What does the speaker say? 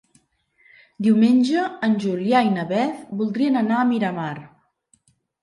Diumenge en Julià i na Beth voldrien anar a Miramar.